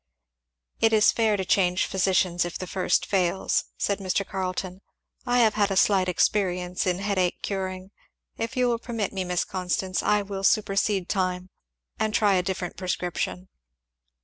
"It is fair to change physicians if the first fails," said Mr. Carleton. "I have had a slight experience in headache curing, if you will permit me, Miss Constance, I will supersede time and try a different prescription."